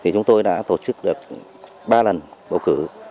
chúng tôi đã tổ chức được ba lần bầu cử